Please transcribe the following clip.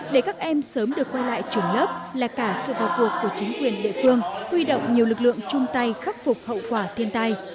để các em sớm được quay lại trường lớp là cả sự vào cuộc của chính quyền địa phương huy động nhiều lực lượng chung tay khắc phục hậu quả thiên tai